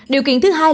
điều kiện thứ hai